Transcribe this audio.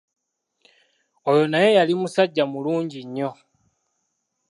Oyo naye yali musajja mulungi nnyo.